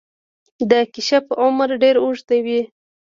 د کیشپ عمر ډیر اوږد وي